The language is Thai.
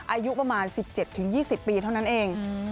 อายุประมาณ๑๗๒๐ปีเท่านั้นเอง